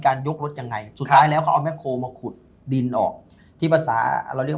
ยกรถยังไงสุดท้ายแล้วเขาเอาแคลมาขุดดินออกที่ภาษาเราเรียก